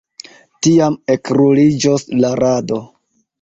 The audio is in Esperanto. Tiam ekruliĝos la rado.